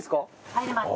入れます。